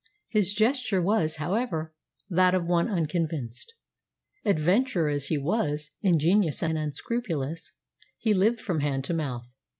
His gesture was, however, that of one unconvinced. Adventurer as he was, ingenious and unscrupulous, he lived from hand to mouth.